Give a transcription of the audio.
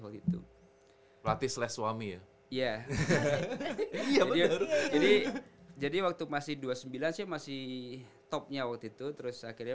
waktu itu latih slash suami ya iya jadi jadi waktu masih dua puluh sembilan saya masih topnya waktu itu terus akhirnya